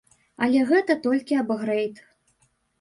Але гэта толькі ап-грэйд.